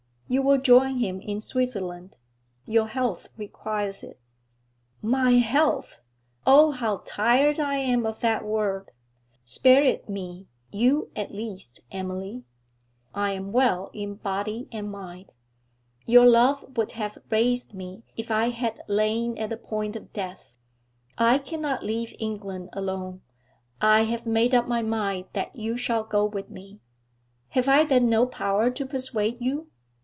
'You will join him in Switzerland. Your health requires it.' 'My health! Oh, how tired I am of that word! Spare it me, you at least, Emily. I am well in body and mind; your love would have raised me if I had lain at the point of death. I cannot leave England alone; I have made up my mind that you shall go with me. Have I then no power to persuade you?